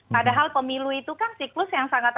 padahal pemilu itu kan siklus yang sangat